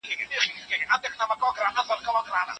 مسلمانان کولای سي ښه ټولنه جوړه کړي.